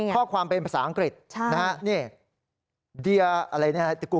ข้อความเป็นภาษาอังกฤษนะครับนี่ดียาอะไรนี่นะครับ